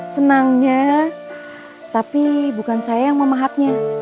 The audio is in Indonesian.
senangnya tapi bukan saya yang memahatnya